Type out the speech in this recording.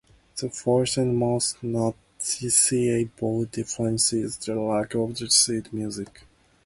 The first and most noticeable difference is the lack of sheet music.